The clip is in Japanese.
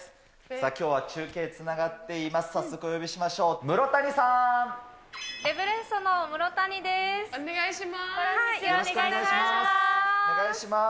きょうは中継、つながっています。